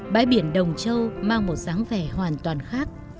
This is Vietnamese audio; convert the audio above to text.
bãi biển đồng châu mang một dáng vẻ hoàn toàn khác